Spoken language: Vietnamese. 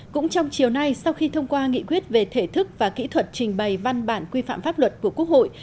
cũng trong chiều nay sau khi thông qua nghị quyết về thể thức và kỹ thuật trình bày văn bản quy phạm pháp luật của quốc hội